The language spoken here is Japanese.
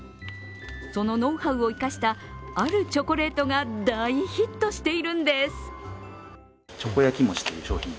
そのノウハウを生かした、あるチョコレートが大ヒットしているんです。